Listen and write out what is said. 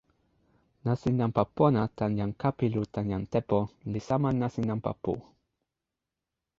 nasin nanpa pona tan jan Kapilu tan jan Tepo li sama nasin nanpa pu.